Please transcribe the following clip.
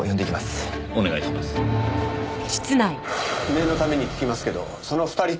念のために聞きますけどその２人って。